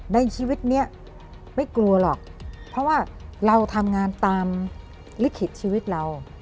ในชีวิตนี้ไม่กลัวหรอกเพราะว่าเราทำงานตามลิขิตชีวิตเรา